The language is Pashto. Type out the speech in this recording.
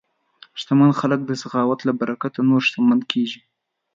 شتمن خلک د سخاوت له برکته نور شتمن کېږي.